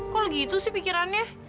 kok lagi itu sih pikirannya